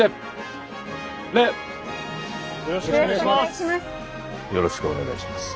よろしくお願いします。